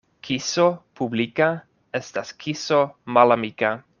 Kiso publika estas kiso malamika.